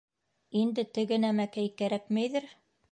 Инде теге нәмәкәй кәрәкмәйҙер.